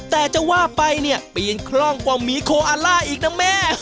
แต่จะว่าไปเนี่ยปีนคล่องกว่าหมีโคอาล่าอีกนะแม่